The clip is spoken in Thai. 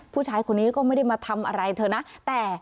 ผู้ชายคนนี้ก็ไม่ได้มาทำอะไรเธอนะแต่